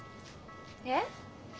えっ？